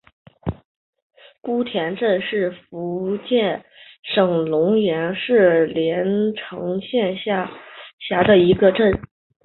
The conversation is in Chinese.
姑田镇是福建省龙岩市连城县下辖的一个镇。